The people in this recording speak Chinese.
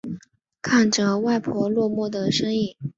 看着外婆落寞的身影